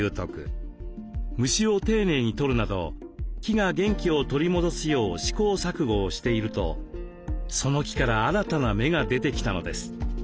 虫を丁寧に取るなど木が元気を取り戻すよう試行錯誤をしているとその木から新たな芽が出てきたのです。